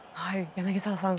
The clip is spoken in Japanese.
柳澤さん。